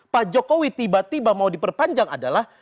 pak jokowi tiba tiba mau diperpanjang adalah